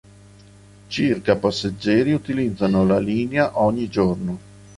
Circa passeggeri utilizzano la linea ogni giorno.